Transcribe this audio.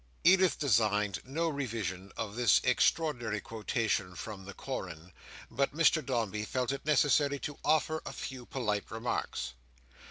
Edith designed no revision of this extraordinary quotation from the Koran, but Mr Dombey felt it necessary to offer a few polite remarks.